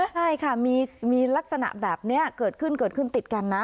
ใช่ค่ะมีลักษณะแบบนี้เกิดขึ้นติดกันนะ